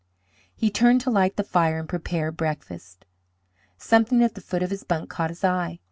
He turned to light the fire and prepare breakfast. Something at the foot of his bunk caught his eye.